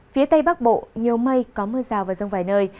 phía tây bắc bộ nhiều mây có mưa rào và rông vài nơi